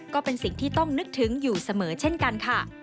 ก็เป็นสิ่งที่ต้องนึกถึงอยู่เสมอเช่นกันค่ะ